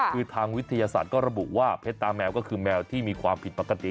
คือทางวิทยาศาสตร์ก็ระบุว่าเพชรตาแมวก็คือแมวที่มีความผิดปกติ